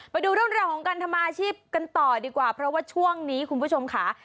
ไปดูเรื่องราวของการทำอาชีพกันต่อดีกว่าเพราะว่าช่วงนี้คุณผู้ชมค่ะ